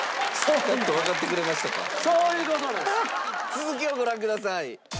続きをご覧ください。